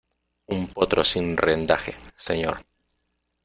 un potro sin rendaje, señor.